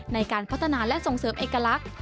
ในการพัฒนาและส่งเสริมเอกลักษณ์